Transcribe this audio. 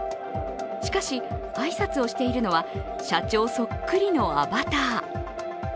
しかし、挨拶をしているのは社長そっくりのアバター。